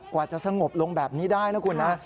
กว่าจะสงบลงแบบนี้ได้นะคุณนะ